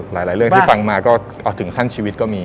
หลายเรื่องที่ฟังมาก็เอาถึงขั้นชีวิตก็มี